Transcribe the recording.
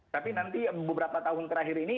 tapi nanti beberapa tahun terakhir ini